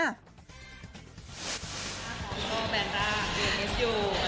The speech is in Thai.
ก็แบรนด้าเอเมสโย